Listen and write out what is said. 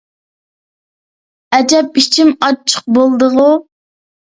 ئەجەب ئىچىم ئاچچىق بولدىغۇ!